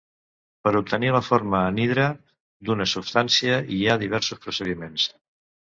Per obtenir la forma anhidra d'una substància hi ha diversos procediments.